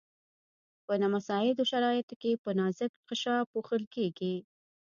په نامساعدو شرایطو کې په نازکه غشا پوښل کیږي.